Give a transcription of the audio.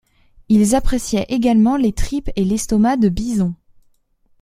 Ils appréciaient également les tripes et l'estomac de bison.